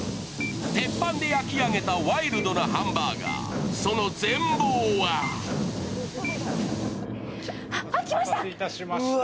鉄板で焼き上げたワイルドなハンバーガー、その全貌は来ました！